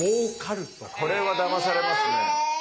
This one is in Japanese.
これはだまされますね。